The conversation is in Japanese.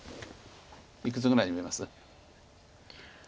いくつぐらいに見えます？